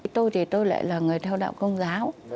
tôi thì tôi lại là người theo đạo công giáo